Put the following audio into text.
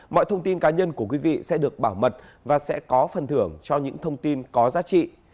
mọi thông tin cá nhân của quý vị sẽ được bảo mật và sẽ có phần thưởng cho những thông tin có giá trị